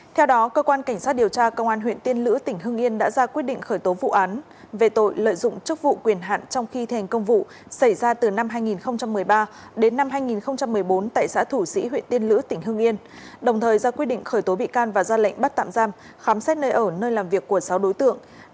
theo đó cơ quan cảnh sát điều tra công an huyện tiên lữ tỉnh hương yên đã ra quyết định khởi tố vụ án về tội lợi dụng chức vụ quyền hạn trong khi thành công vụ xảy ra từ năm hai nghìn một mươi ba đến năm hai nghìn một mươi bốn tại xã thủ sĩ huyện tiên lữ tỉnh hương yên đồng thời ra quyết định khởi tố bị can và ra lệnh bắt tạm giam khám xét nơi ở nơi làm việc của sáu đối tượng